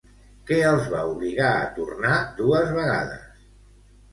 Què els va obligar a tornar dues vegades?